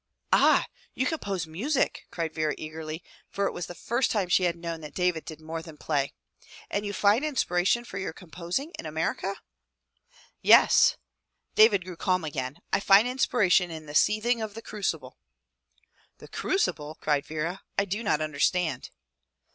"Ah, you compose music," cried Vera eagerly, for it was the first time she had known that David did more than play. "And you find inspiration for your composing in America?" "Yes," David grew calm again. "I find inspiration in the seething of the crucible." "The crucible!" cried Vera. "I do not understand."